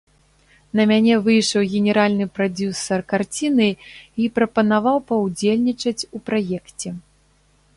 На мяне выйшаў генеральны прадзюсар карціны і прапанаваў паўдзельнічаць у праекце.